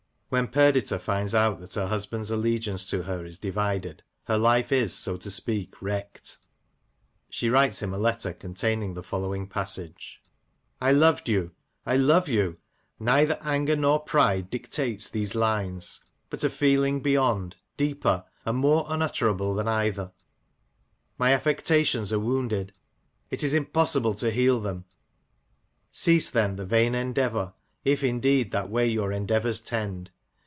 When Perdita finds out that her husband's allegiance to her is divided, her life is, so to speak, wrecked. She writes him a letter containing the following passage :—I loved you — I love you — neither anger nor pride dictates these lines : but a feeling beyond, deeper, and more unutterable than either. My affec tions are wounded ; it is impossible to heal them :— cease then the vain endeavour, if indeed that way your endeavours tend.